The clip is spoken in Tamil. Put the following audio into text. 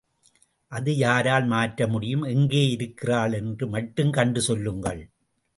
அதை யாரால் மாற்ற முடியும்! எங்கேயிருக்கிறாள் என்று மட்டும் கண்டு சொல்லுங்கள்.